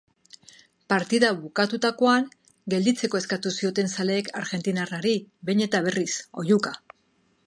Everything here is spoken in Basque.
Partida bukatutakoan, gelditzeko eskatu zioten zaleek argentinarrari behin eta berriz, oihuka.